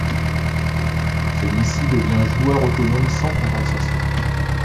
Celui-ci devient joueur autonome sans compensation.